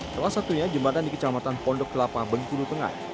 salah satunya jembatan di kecamatan pondok kelapa bengkulu tengah